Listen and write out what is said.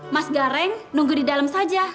mas gareng nunggu di dalam saja